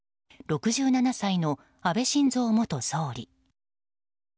６７歳の安倍晋三元総理。